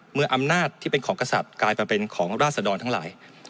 เมื่ออำนาจที่เป็นของกษัตริย์กลายมาเป็นของราศดรทั้งหลาย